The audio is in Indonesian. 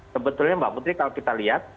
sebetulnya mbak putri kalau kita lihat